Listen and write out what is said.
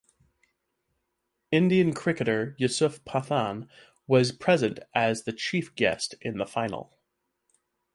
Indian Cricketer Yusuf Pathan was present as the chief guest in the final.